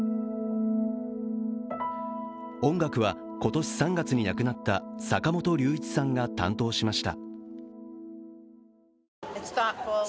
音楽は、今年３月に亡くなった坂本龍一さんが担当しました。